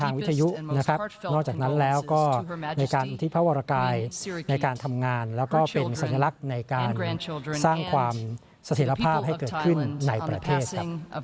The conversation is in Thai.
วิทยุนะครับนอกจากนั้นแล้วก็ในการอุทิศพระวรกายในการทำงานแล้วก็เป็นสัญลักษณ์ในการสร้างความเสถียรภาพให้เกิดขึ้นในประเทศครับ